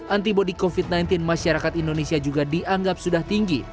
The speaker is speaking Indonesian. antibody covid sembilan belas masyarakat indonesia juga dianggap sudah tinggi